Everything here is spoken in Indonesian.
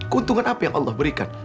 keuntungan apa yang allah berikan